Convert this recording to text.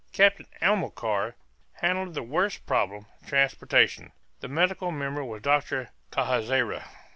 Captain Amilcar handled the worst problem transportation; the medical member was Doctor Cajazeira.